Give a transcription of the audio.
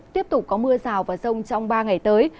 tiếp tục có mưa rào và rông trong ba ngày tới